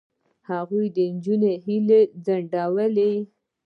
هغوی د نجونو هیلې ځنډولې.